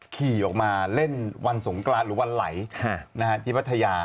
ขี่ออกมาเล่นวันสงกรานหรือวันไหลที่พัทยา